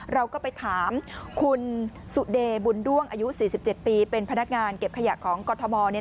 เราก็ไปถามคุณสุเดบุญด้วงอายุ๔๗ปีเป็นพนักงานเก็บขยะของกรทม